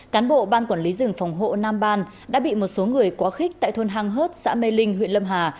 cán bộ ban quản lý rừng phòng hộ nam ban đã bị một số người quá khích tại thôn hang hớt xã mê linh huyện lâm hà